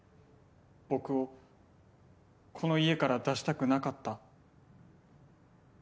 僕をこの家から出したくなかった。